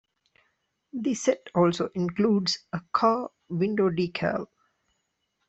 The set also includes a car window decal.